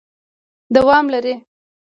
دوام لري ...